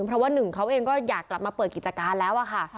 เพราะว่าหนึ่งเขาเองก็อยากกลับมาเปิดกิจการแล้วอะค่ะ